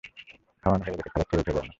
খাওয়া হয়ে গেছে - খাবার ছেড়ে উঠে যেও না।